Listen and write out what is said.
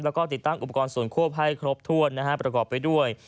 แล้วก็ติดตั้งอุปกรณ์ส่วนควบให้ครบถ้วนนะฮะประกอบไปด้วย